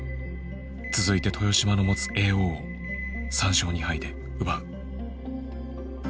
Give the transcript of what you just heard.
続いて豊島の持つ叡王を３勝２敗で奪う。